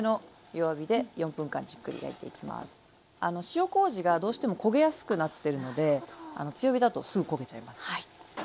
ふたをして塩こうじがどうしても焦げやすくなってるので強火だとすぐ焦げちゃいます。